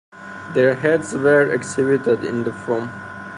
Their heads were exhibited in the Forum.